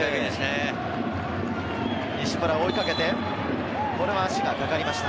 西村追いかけて、これは足がかかりました。